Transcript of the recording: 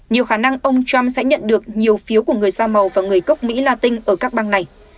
nhiều khả năng ông trump sẽ nhận được nhiều phiếu của người da màu và người cốc mỹ latin ở các bang này